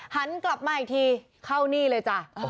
หันกลับมาอีกทีเข้านี่เลยจ้ะ